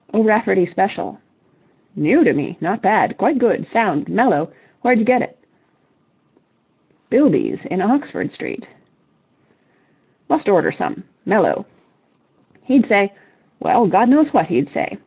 "O'Rafferty Special." "New to me. Not bad. Quite good. Sound. Mellow. Wherej get it?" "Bilby's in Oxford Street." "Must order some. Mellow. He'd say... well, God knows what he'd say.